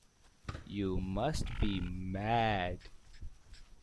You must be mad.